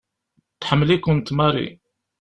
Tḥemmel-ikent Mary.